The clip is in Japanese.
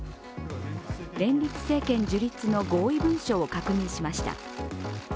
連立政権樹立の合意文書を確認しました。